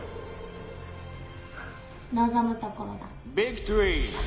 望むところだ。